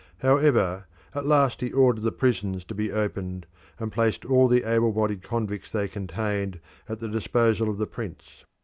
However, at last he ordered the prisons to be opened, and placed all the able bodied convicts they contained at the disposal of the prince.